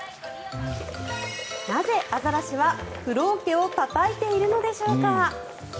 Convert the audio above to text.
なぜアザラシは、風呂桶をたたいているのでしょうか。